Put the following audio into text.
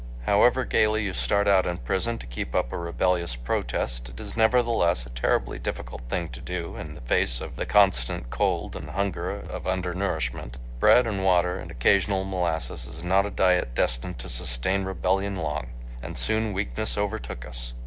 However gaily you start out in prison to keep up a rebellious protest, it is nevertheless a terribly difficult thing to do in the face of the constant cold and hunger of undernourishment. Bread and water, and occasional molasses, is not a diet destined to sustain rebellion long. And soon weakness overtook us.